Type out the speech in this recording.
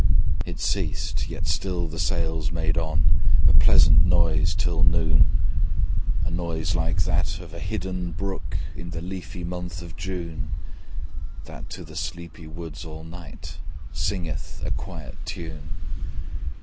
It ceased; yet still the sails made on A pleasant noise till noon, A noise like of a hidden brook In the leafy month of June, That to the sleeping woods all night Singeth a quiet tune.